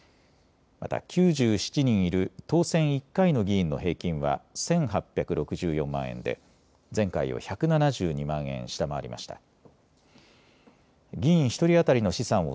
また９７人いる当選１回の議員の平均は１８６４万円で前回を１７２万円下回りました。